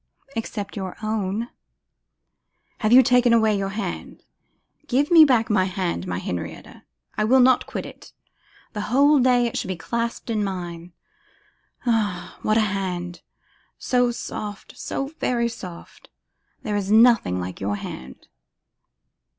'Except your own.' 'You have taken away your hand. Give me back my hand, my Henrietta. I will not quit it. The whole day it shall be clasped in mine. Ah! what a hand! so soft, so very soft! There is nothing like your hand.